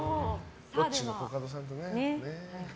ロッチのコカドさんとね。